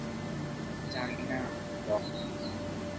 জানি না, বব।